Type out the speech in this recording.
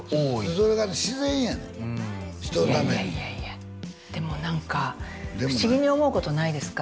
それが自然やねん人のためにいやいやいやでも何か不思議に思うことないですか？